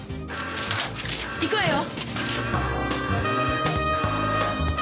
行くわよ！